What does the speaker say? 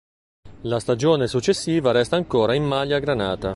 La stagione successiva resta ancora in maglia granata.